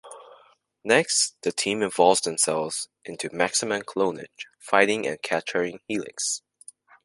Next, the team involves themselves into "Maximum Clonage", fighting and capturing Helix.